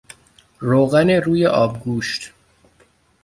روغن روی آبگوشت